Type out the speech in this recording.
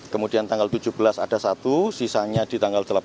kemudian tanggal tujuh belas ada satu sisanya di tanggal delapan belas